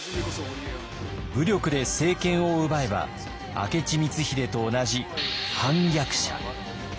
武力で政権を奪えば明智光秀と同じ反逆者。